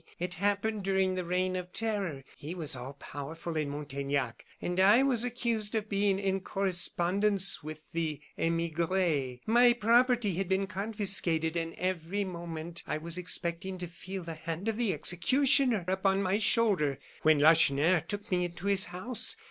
It happened during the Reign of Terror. He was all powerful in Montaignac; and I was accused of being in correspondence with the emigres. My property had been confiscated; and every moment I was expecting to feel the hand of the executioner upon my shoulder, when Lacheneur took me into his house.